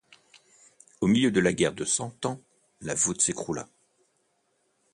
Au milieu de la guerre de Cent Ans, la voûte s’écroula.